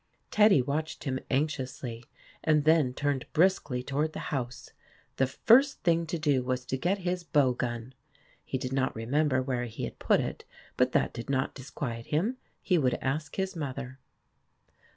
Teddy watched him anxiously, and then turned briskly toward the house. The first thing to do was to get his bow gun. He did not remember where he had put it, but that did not disquiet him he would ask his mother.